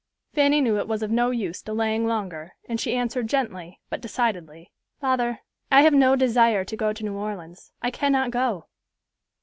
Fanny knew it was of no use delaying longer and she answered gently, but decidedly, "Father, I have no desire to go to New Orleans. I cannot go."